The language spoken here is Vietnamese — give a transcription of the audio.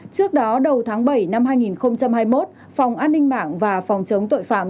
trước đó đầu tháng bảy năm hai nghìn hai mươi một phòng an ninh mạng và phòng chống tội phạm